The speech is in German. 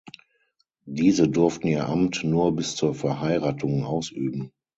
Diese durften ihr Amt nur bis zur Verheiratung ausüben.